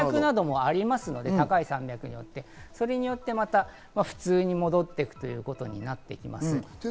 高い山脈などもありますので、それによってまた普通に戻っていくということになっていきます。